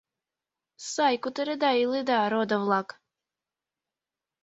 — Сай кутыреда-иледа, родо-влак!